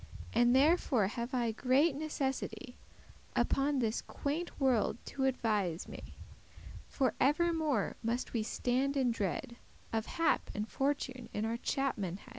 And therefore have I great necessity Upon this quaint* world to advise me. *strange consider For evermore must we stand in dread Of hap and fortune in our chapmanhead.